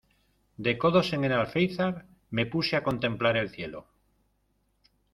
De codos en el alféizar me puse a contemplar el cielo.